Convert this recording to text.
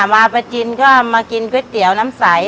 มาประจินก็มากินก๋วยเตี๋ยวน้ำใส